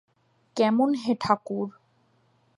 কেমন হে ঠাকুর!